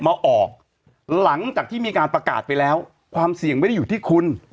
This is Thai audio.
มาออกหลังจากที่มีการประกาศไปแล้วความเสี่ยงไม่ได้อยู่ที่คุณ